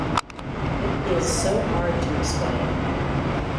It is so hard to explain.